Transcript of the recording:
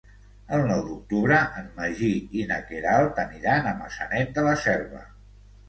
El nou d'octubre en Magí i na Queralt aniran a Maçanet de la Selva.